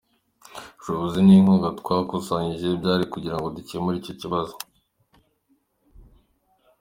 Ubushobozi n’inkunga twakusanyije byari ukugira ngo dukemure icyo kibazo.